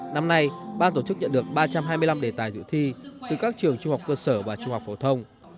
năm nay ban tổ chức nhận được ba trăm hai mươi năm đề tài dự thi từ các trường trung học cơ sở và trung học phổ thông